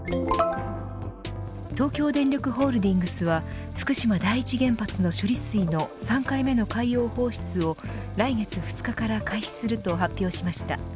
東京電力ホールディングスは福島第一原発の処理水の３回目の海洋放出を来月２日から開始すると発表しました。